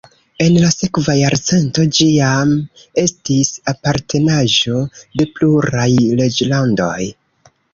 En la sekva jarcento ĝi jam estis apartenaĵo de pluraj reĝlandoj.